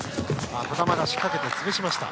児玉が仕掛けて潰した。